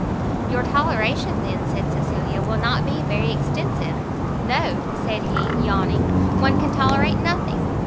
"Your toleration, then," said Cecilia, "will not be very extensive." "No," said he, yawning, "one can tolerate nothing!